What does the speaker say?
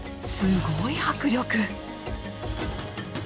すごい迫力。